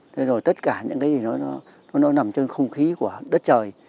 thế rồi tất cả những cái gì nó nằm trên không khí của đất trời